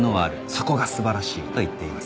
「そこが素晴らしい」と言っています。